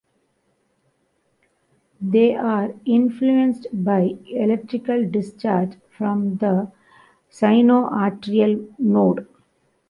They are influenced by electrical discharge from the sinoatrial node.